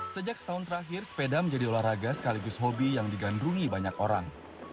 sejak setahun terakhir sepeda menjadi olahraga sekaligus hobi yang digandrungi banyak orang